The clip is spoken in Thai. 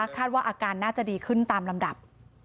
ว่าอาการน่าจะดีขึ้นตามลำดับ